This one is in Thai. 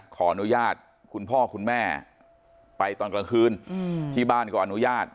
ขออนุญาตคุณพ่อคุณแม่ไปตอนกลางคืนที่บ้านก็อนุญาต